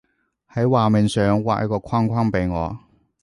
喺畫面上畫一個框框畀我